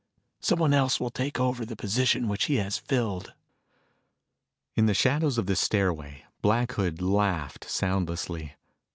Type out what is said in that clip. Someone else will take over the position which he has filled." In the shadows of the stairway, Black Hood laughed soundlessly.